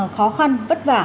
khó khăn vất vả